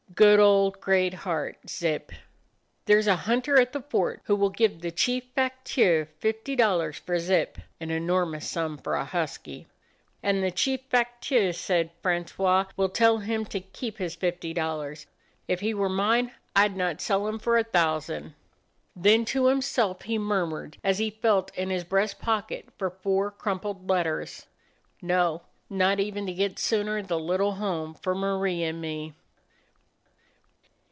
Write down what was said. Good old Great heart — Zip!" "There 's a hunter at the fort who will give the chief facteur fifty dollars for Zip" — (an enormous sum for a husky) . "And the chief facteur " said Francois, "will tell him to keep his fifty dollars. If 52 A DOG OF THE NORTHLAND he were mine, I 'd not sell him for a thousand." Then to himself he murmured, as he felt in his breast pocket for four crumpled letters : "No, not even to get sooner the little home for Marie and me!"